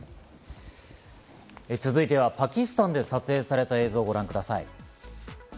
続いてはパキスタンで撮影された映像をご覧ください。